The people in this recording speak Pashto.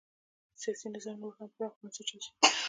سیاسي نظام نور هم پراخ بنسټه شي.